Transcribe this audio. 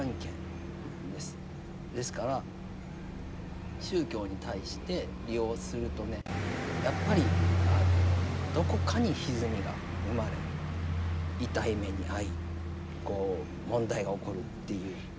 ですから宗教に対して利用するとねやっぱりどこかにひずみが生まれ痛い目に遭いこう問題が起こるっていう。